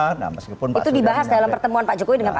itu dibahas dalam pertemuan pak jokowi dengan pak